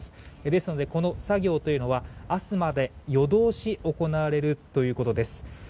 ですので、この作業というのは朝まで夜通し行われるということです。